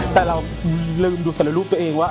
แต่เราลืมดูสารรูปตัวเองว่า